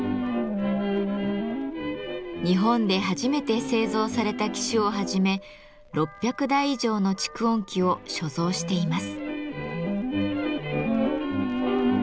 日本で初めて製造された機種をはじめ６００台以上の蓄音機を所蔵しています。